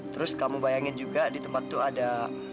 terus kamu bayangin juga di tempat tuh ada